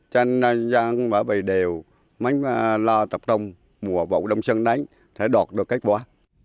cho nên bà bì đều lo tập trung mùa vụ đông sân đánh để đọt được kết quả